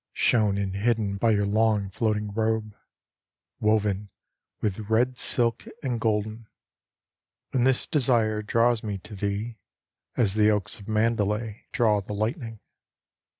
Shown and hidden By your long floating robe, Woven with red silk and golden* And this desire draws me to thee As the oaks of Mandalay Draw the lightning.